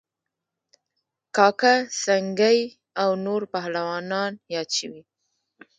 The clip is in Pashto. کاکه سنگی او نور پهلوانان یاد شوي